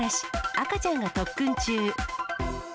赤ちゃんが特訓中。